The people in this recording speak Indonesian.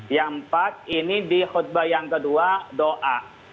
yang empat ini di khutbah yang kedua doa